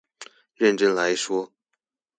認真來說